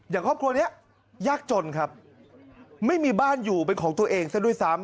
อย่างครอบครัวนี้ยากจนครับไม่มีบ้านอยู่เป็นของตัวเองซะด้วยซ้ำ